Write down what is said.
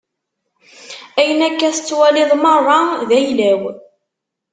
Ayen akka i tettwaliḍ meṛṛa, d ayla-w.